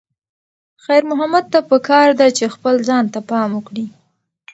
خیر محمد ته پکار ده چې خپل ځان ته پام وکړي.